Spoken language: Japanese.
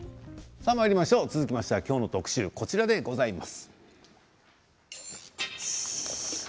続きまして、今日の特集はこちらでございます。